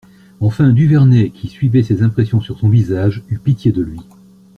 Enfin Duvernet, qui suivait ses impressions sur son visage, eut pitié de lui.